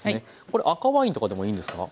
これ赤ワインとかでもいいんですか？